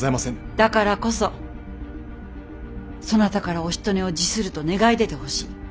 だからこそそなたからおしとねを辞すると願い出てほしい。